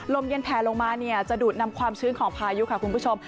ลมเย็นแผลลงมาจะดูดนำความชื้นของพายุค่ะคุณผู้ชม